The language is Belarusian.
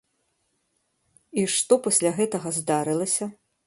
І што пасля гэтага здарылася?